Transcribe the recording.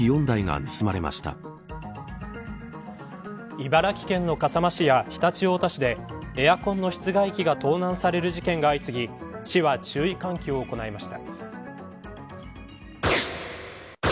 茨城県の笠間市や常陸太田市でエアコンの室外機が盗難される事件が相次ぎ市は注意喚起を行いました。